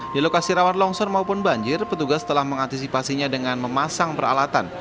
di lokasi rawan longsor maupun banjir petugas telah mengantisipasinya dengan memasang peralatan